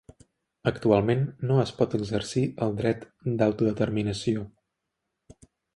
Actualment no es pot exercir el dret d'autodeterminació.